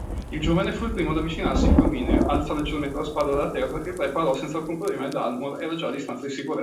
Il giovane fu il primo ad avvicinarsi fulmineo, alzò leggermente la spada da terra, il re parò senza alcun problema e Dalmor era già a distanza di sicurezza.